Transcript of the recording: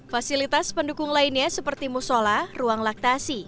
fasilitas pendukung lainnya seperti musola ruang laktasi